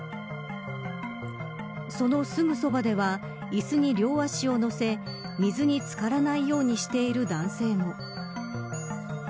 そのすぐそばでは椅子に両足を乗せ水に漬からないようにしている男性も。